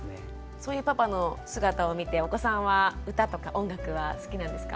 そういうパパの姿を見てお子さんは歌とか音楽は好きなんですか？